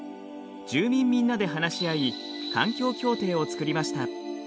住民みんなで話し合い環境協定を作りました。